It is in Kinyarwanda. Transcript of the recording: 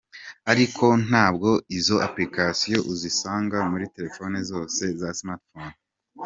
Ariko ntabwo izo applications uzisanga muri telefone zose za smartphones.